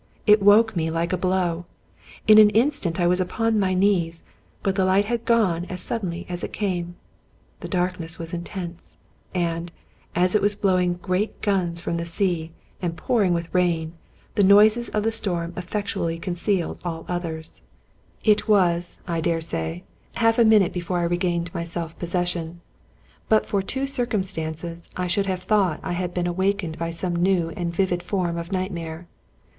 It woke me like a blow. In an instant I was upon my knees. But the light had gone as suddenly as it came. The. darkness was intense. And, as it was blowing great guns from the sea, and pouring with rain, the noises of the storm eflFectually concealed all others. 182 Robert Louis Stevenson It was, I dare say, half a minute before I regained my self possession. But for two circumstances, I should have thought I had been awakened by some new and vivid form of nightmare.